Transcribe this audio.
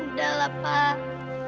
udah lah pak